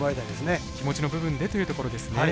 気持ちの部分でというところですね。